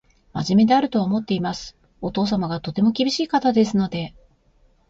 真面目であるとは思っています。お父様がとても厳しい方ですので